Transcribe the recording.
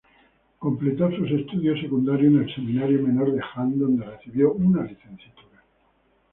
Completó sus estudios secundarios en el seminario menor de Hann, donde recibió una licenciatura.